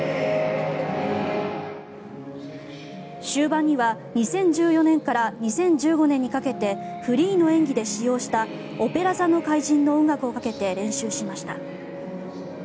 終盤には２０１４年から２０１５年にかけてフリーの演技で使用した「オペラ座の怪人」の音楽をかけて練習しました。